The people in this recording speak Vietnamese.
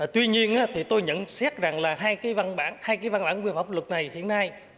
tuy nhiên thì tôi nhận xét rằng là hai cái văn bản quy phạm bóp luật này hiện nay